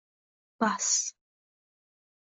Bas